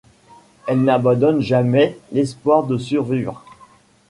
Elle n'abandonne jamais l'espoir de survivre.